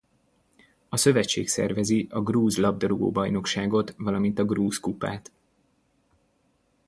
A szövetség szervezi a Grúz labdarúgó-bajnokságot valamint a Grúz kupát.